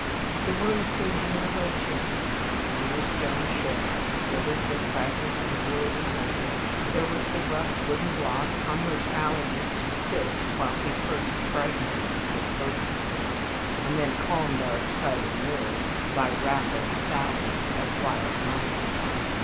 The room seemed in no way changed. A mere stone shell, littered with fragments of wood and mortar. There was the rough wooden block on which Alan used to sit while he first frightened us with bogey stories, and then calmed our excited nerves by rapid sallies of wild nonsense.